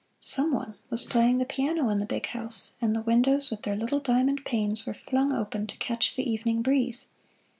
Some one was playing the piano in the big house, and the windows with their little diamond panes were flung open to catch the evening breeze.